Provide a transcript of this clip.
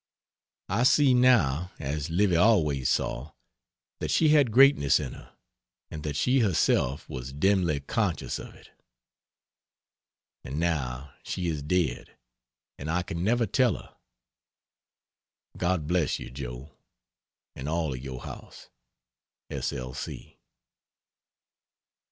I see now as Livy always saw that she had greatness in her; and that she herself was dimly conscious of it. And now she is dead and I can never tell her. God bless you Joe and all of your house. S. L.